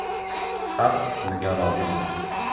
— Haq hukmiga rozi bo‘l.